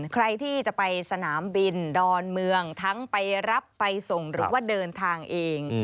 ใครที่จะไปสนามบินดอนเมืองทั้งไปรับไปส่งหรือว่าเดินทางเอง